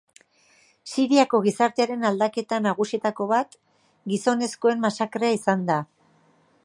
Siriako gizartearen aldaketa nagusietako bat gizonezkoen masakrea izan da.